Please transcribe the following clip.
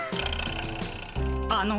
あの。